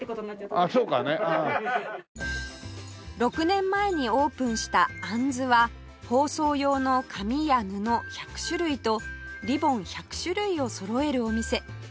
６年前にオープンしたアンズは包装用の紙や布１００種類とリボン１００種類をそろえるお店